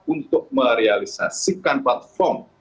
untuk merealisasikan platform